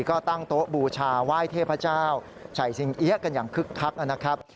ก็ตั้งโต๊ะบูชาไหว้เทพเจ้าชัยสิงเอี๊ยะกันอย่างคึกคักนะครับ